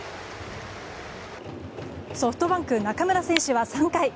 ソフトバンク、中村選手は３回。